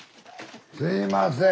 すいません。